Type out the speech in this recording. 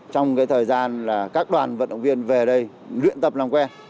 trong cái thời gian là các đoàn vận động viên về đây luyện tập làm quen